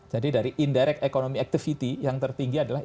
jadi dari indirect economy activity yang tertinggi adalah